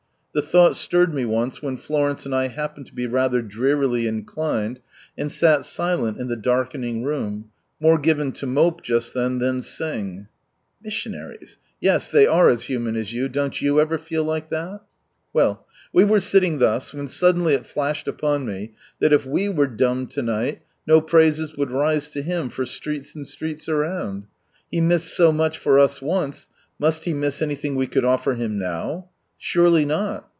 The thought stirred me once when Florence and I happened be rather drearily inclined, and sat silent in the darkening room, more given to mope just then than sing. (Missionaries ! Yes, they human as you, don't jf» ever fee! like that?) Weil, we were sitting thus, when suddenly it flashed upon me that if we were dumb ■night, no praises would rise to Him for streets and streets around. e missed so much for us once, must He miss anything we could offer Him now ? Surely not